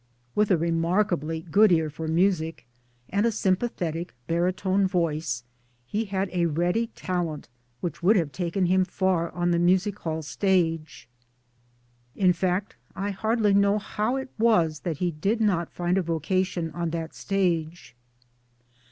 With a remarkably good ear for music, and a sympathetic baritone voice, he had a ready talent which would have taken him far on the music hall stage. In fact P hardly know how it was that he did not find a vocation on that stage.